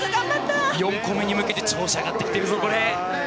４個メに向けて調子が上がってきてるぞ！